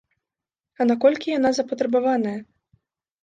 А наколькі яна запатрабаваная?